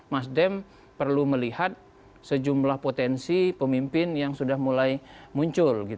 nasdem perlu melihat sejumlah potensi pemimpin yang sudah mulai muncul